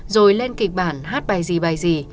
rồi lên kịch bản hát bài gì bài gì